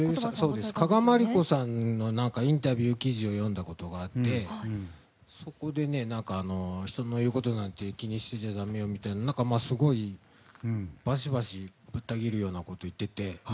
加賀まりこさんのインタビュー記事を読んだことがあってそこで人の言うことなんて気にしてちゃだめよみたいな何か、すごいバシバシぶった切るようなことを言っていて。